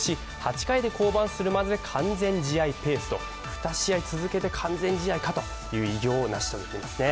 ２試合続けて完全試合かという偉業を成し遂げていますね。